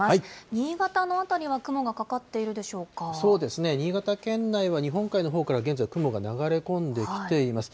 新潟の辺りは雲がかかっているでそうですね、新潟県内は日本海側のほうから現在、雲が流れ込んできています。